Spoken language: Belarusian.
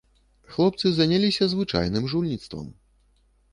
Хлопцы заняліся звычайным жульніцтвам.